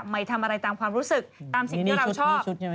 ไม่ทำอะไรตามความรู้สึกตามสิ่งที่เราชอบ